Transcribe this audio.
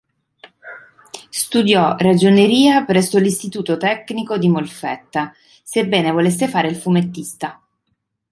Studiò ragioneria presso l'istituto tecnico di Molfetta, sebbene volesse fare il fumettista.